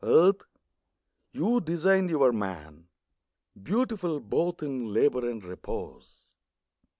.. Earth, you designed your man Beautiful both in labour, and repose.